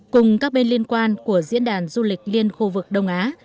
cùng các bên liên quan của diễn đàn du lịch liên khu vực đông á